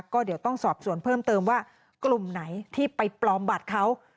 ก็เดี๋ยวต้องสอบส่วนเพิ่มเติมว่ากลุ่มไหนที่ไปปลอมบัตรเขา